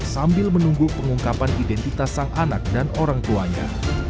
sambil menunggu pengungkapan identitas sang anak dan orang tuanya